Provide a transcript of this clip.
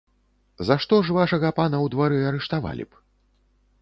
За што ж вашага пана ў двары арыштавалі б?